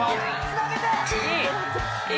つなげて！